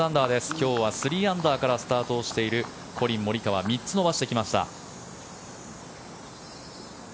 今日は３アンダーからスタートしているコリン・モリカワ３つ伸ばしてきました。